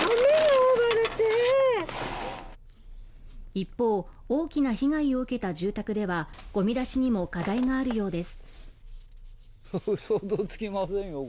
一方、大きな被害を受けた住宅では、ゴミ出しにも課題があるようです。